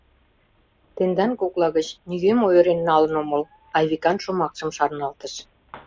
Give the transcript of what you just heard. Тендан кокла гыч нигӧм ойырен налын омыл», — Айвикан шомакшым шарналтыш.